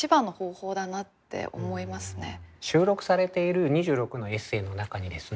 収録されている２６のエッセーの中にですね